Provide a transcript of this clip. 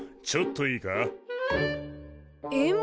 ちょっといいか。